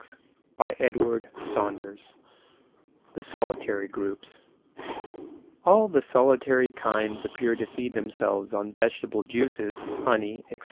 THE SOLITARY GROUPS All the solitary kinds appear to feed themselves on vegetable juices, honey, etc.